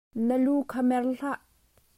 Na lu kha mer hlah.